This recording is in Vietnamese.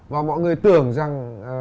và mọi người tưởng rằng